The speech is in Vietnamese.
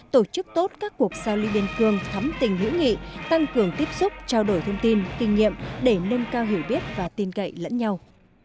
tổ chức tốt các cuộc sao lưu biên cương thắm tình hữu nghị tăng cường tiếp xúc trao đổi thông tin kinh nghiệm để nâng cao hiểu biết và tin cậy lẫn nhau